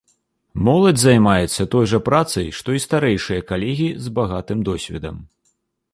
Моладзь займаецца той жа працай, што і старэйшыя калегі з багатым досведам.